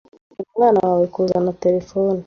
uzemerera umwana wawe kuzana terefone